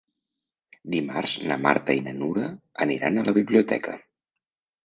Dimarts na Marta i na Nura aniran a la biblioteca.